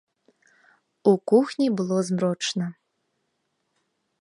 У кухні было змрочна.